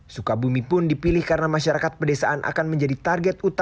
sukabumi pun dipilih karena masyarakat pedesaan akan menjadi target utama